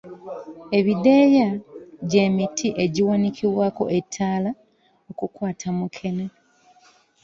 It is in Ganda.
Ebideeya gye miti egiwanikibwako ettaala okukwata mukene.